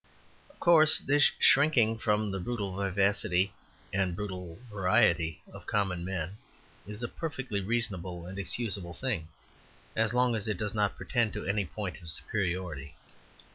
Of course, this shrinking from the brutal vivacity and brutal variety of common men is a perfectly reasonable and excusable thing as long as it does not pretend to any point of superiority.